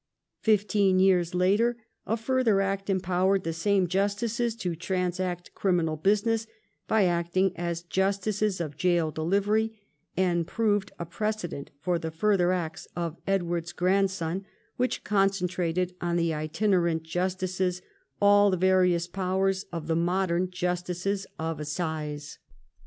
Fifteen years later a further act empowered the same justices to transact criminal busi ness by acting as justices of gaol delivery, and proved a precedent for the further acts of Edward's grandson which concentrated on the itinerant justices all the various powers of the modern justices of assize.